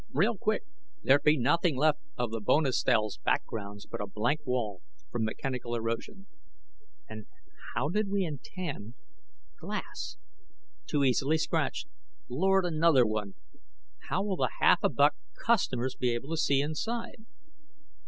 Real quick, there'd be nothing left of the Bonestell's backgrounds but a blank wall, from mechanical erosion. And how did we intend ? Glass Too easily scratched. Lord, another one: how will the half a buck customers be able to see inside?